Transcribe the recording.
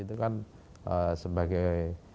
itu kan sebagai